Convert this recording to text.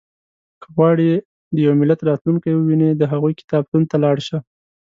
• که غواړې د یو ملت راتلونکی ووینې، د هغوی کتابتون ته لاړ شه.